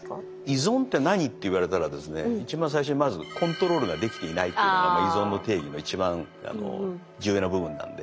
依存って何って言われたらですね一番最初にまずコントロールができていないというのが依存の定義の一番重要な部分なんで。